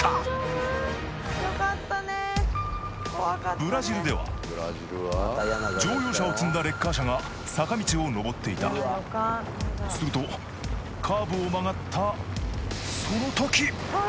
ブラジルでは乗用車を積んだレッカー車が坂道を上っていたするとカーブを曲がったその時！